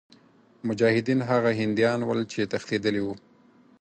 مجاهدین هغه هندیان ول چې تښتېدلي وه.